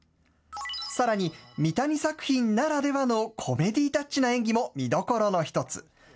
さらに、三谷作品ならではのコメディータッチな演技も見どころの一つ。